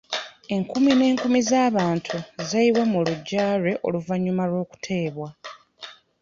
Enkumi n'enkumi z'abantu zeeyiwa mu luggya lwe oluvannyuma lw'okuteebwa.